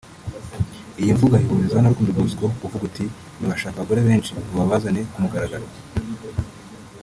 Iyi mvugo ayihurizaho na Rukundo Bosco uvuga ati “Ntibashaka abagore benshi ngo babazane ku mugaragaro